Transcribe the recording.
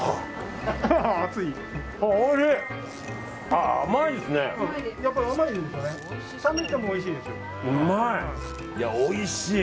あ、おいしい！